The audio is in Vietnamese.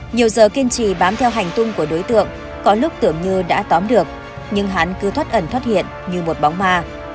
nhiều giờ kiên trì bám theo hành tung của đối tượng có lúc tưởng như đã tóm được nhưng hắn cứ thoát ẩn thoát hiện như một bóng ma